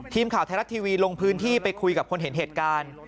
ทีมข่าวไทยรัฐทีวีลงพื้นที่ไปคุยกับคนเห็นเหตุการณ์